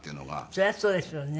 そりゃそうですよね。